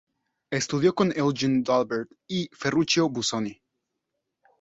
Estudió con Eugen d'Albert y Ferruccio Busoni.